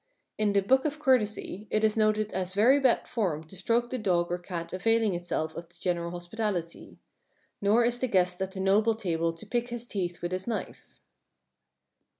In the "Book of Courtesy" it is noted as very bad form to stroke the dog or cat availing itself of the general hospitality. Nor is the guest at the noble table to pick his teeth with his knife.